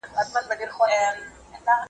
په یوه غوجل کي دواړه اوسېدله `